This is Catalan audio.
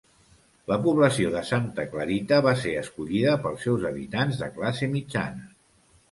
La població de Santa Clarita va ser escollida pels seus habitants de classe mitjana.